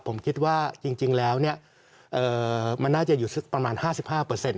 ผมคิดว่าจริงแล้วเนี่ยมันน่าจะอยู่ประมาณ๕๕เปอร์เส็น